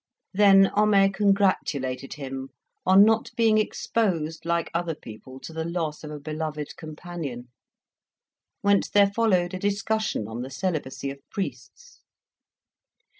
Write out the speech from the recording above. Then Homais congratulated him on not being exposed, like other people, to the loss of a beloved companion; whence there followed a discussion on the celibacy of priests.